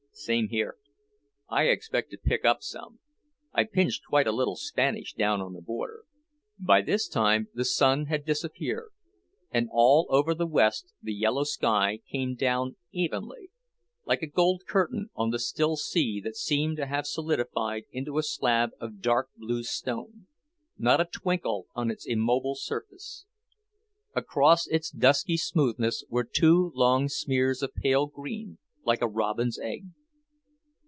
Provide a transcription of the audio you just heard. "Same here. I expect to pick up some. I pinched quite a little Spanish down on the Border." By this time the sun had disappeared, and all over the west the yellow sky came down evenly, like a gold curtain, on the still sea that seemed to have solidified into a slab of dark blue stone, not a twinkle on its immobile surface. Across its dusky smoothness were two long smears of pale green, like a robin's egg.